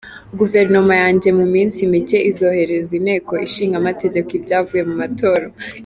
Guverinoma yanjye mu minsi mike izoherereza Inteko Ishinga Amategeko ibyavuye mu matora.